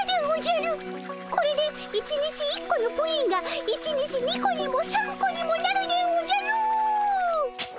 これで１日１個のプリンが１日２個にも３個にもなるでおじゃる！